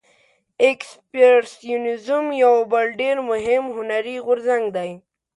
اکسپرسیونیزم یو بل ډیر مهم هنري غورځنګ دی.